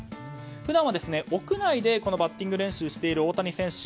普段は屋内でバッティング練習をしている大谷選手